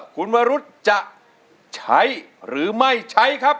คุณวรุษจะใช้หรือไม่ใช้ครับ